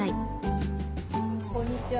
こんにちは。